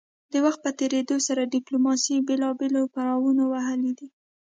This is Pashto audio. د وخت په تیریدو سره ډیپلوماسي بیلابیل پړاونه وهلي دي